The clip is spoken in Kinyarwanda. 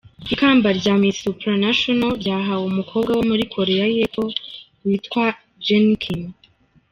Ikamba rya Miss Supranational ryahawe umukobwa wo muri Korea y’Epfo witwa Jenny Kim.